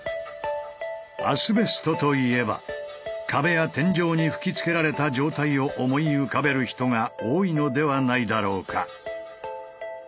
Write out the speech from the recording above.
アスベストといえば壁や天井に吹きつけられた状態を思い浮かべる人が多いのではないだろうか。